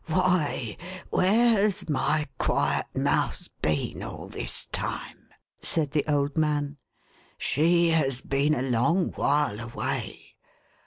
"Why, where has my quiet Mouse been all this time?" said the old man. " She has been a long while away.